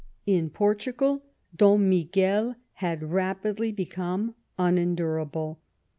In Portugal, Dom Miguel had rapidly become unen durable.